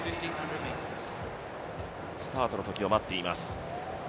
スタートの時を待っています。